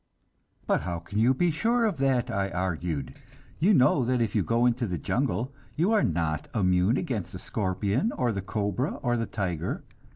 "But how can you be sure of that?" I argued. "You know that if you go into the jungle, you are not immune against the scorpion or the cobra or the tiger.